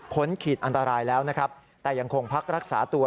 ขีดอันตรายแล้วนะครับแต่ยังคงพักรักษาตัว